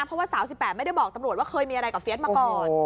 เพราะว่าสาว๑๘ไม่ได้บอกตำรวจว่าเคยมีอะไรกับเฟียสมาก่อน